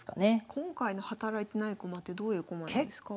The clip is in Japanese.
今回の働いてない駒ってどういう駒なんですか？